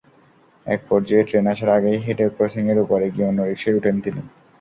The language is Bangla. একপর্যায়ে ট্রেন আসার আগেই হেঁটে ক্রসিংয়ের ওপারে গিয়ে অন্য রিকশায় ওঠেন তিনি।